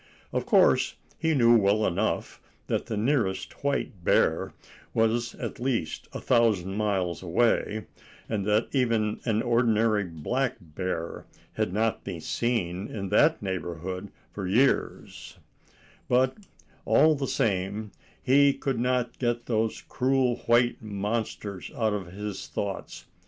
Of course, he knew well enough that the nearest white bear was at least a thousand miles away, and that even an ordinary black bear had not been seen in that neighbourhood for years; but, all the same, he could not get those cruel white monsters out of his thoughts.